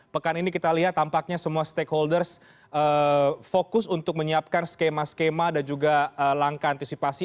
pekan ini kita lihat tampaknya semua stakeholders fokus untuk menyiapkan skema skema dan juga langkah antisipasi